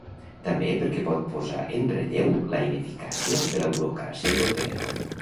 També perquè pot posar en relleu la ineficàcia de la burocràcia europea.